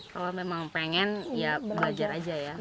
kalau memang pengen ya belajar aja ya